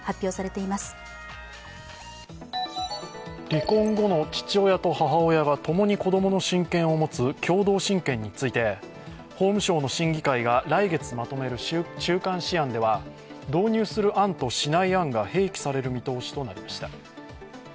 離婚後の父親と母親が共に子供の親権を持つ共同親権について、法務省の審議会が来月まとめる中間試案では導入する案としない案が併記される見通しとなりました。